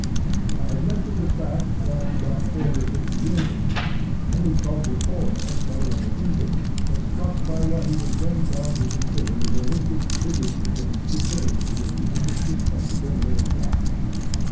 I have mentioned the fact, that about forty or fifty years ago, any cultivated foreigner settling in England was struck by what he was then bound to consider the religious big otry and stupidity of the English respectable middle class.